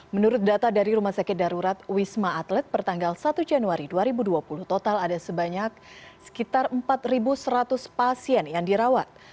menurut data dari rumah sakit darurat wisma atlet pertanggal satu januari dua ribu dua puluh total ada sebanyak sekitar empat seratus pasien yang dirawat